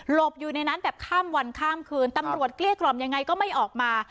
บอยู่ในนั้นแบบข้ามวันข้ามคืนตำรวจเกลี้ยกล่อมยังไงก็ไม่ออกมา